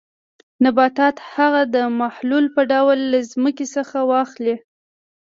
نباتات هغه د محلول په ډول له ځمکې څخه واخلي.